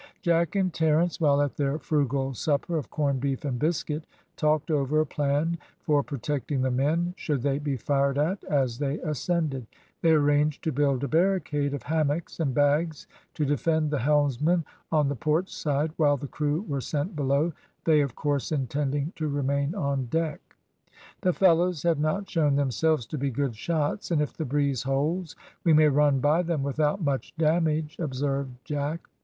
Jack and Terence while at their frugal supper of corn beef and biscuit, talked over a plan for protecting the men, should they be fired at as they ascended. They arranged to build a barricade of hammocks and bags to defend the helmsman on the port side while the crew were sent below, they of course intending to remain on deck. "The fellows have not shown themselves to be good shots, and if the breeze holds we may run by them without much damage," observed Jack.